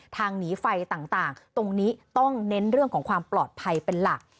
หนีไฟต่างตรงนี้ต้องเน้นเรื่องของความปลอดภัยเป็นหลัก